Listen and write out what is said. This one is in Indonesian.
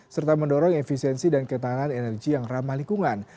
serta mendorong efisiensi dan ketahanan energi yang ramah lingkungan